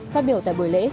phát biểu tại buổi lễ